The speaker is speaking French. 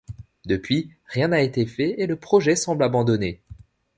Depuis, rien n'a été fait et le projet semble abandonné.